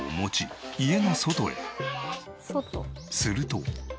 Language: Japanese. すると。